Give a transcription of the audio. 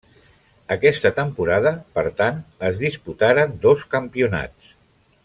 Aquesta temporada, per tant, es disputaren dos campionats.